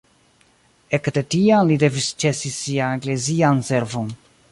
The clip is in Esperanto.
Ekde tiam li devis ĉesi sian eklezian servon.